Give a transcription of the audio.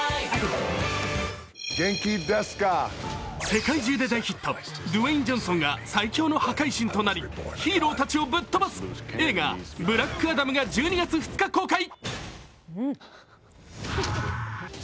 世界中で大ヒット、ドゥエイン・ジョンソンが最恐の破壊神となり、ヒーローたちをぶっとばす映画「ブラックアダム」が１２月２日公開。